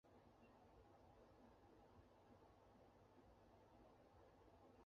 艺术上力倡革新